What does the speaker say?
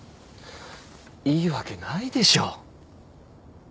いいわけないでしょ。